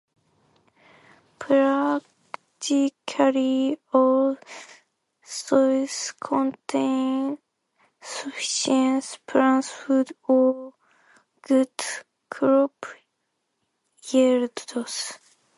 Practically all soils contain sufficient plant food for good crop yields.